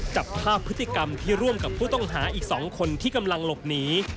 จับภาพพฤติกรรมที่ร่วมกับผู้ต้องหาอีก๒คนที่กำลังหลบหนี